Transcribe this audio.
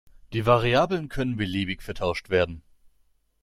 Die Variablen können beliebig vertauscht werden.